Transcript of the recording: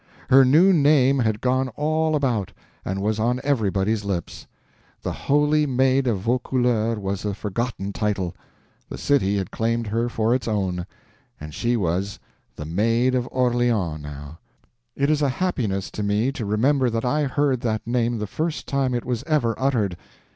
Her new name had gone all about, and was on everybody's lips. The Holy Maid of Vaucouleurs was a forgotten title; the city had claimed her for its own, and she was the MAID OF ORLEANS now. It is a happiness to me to remember that I heard that name the first time it was ever uttered.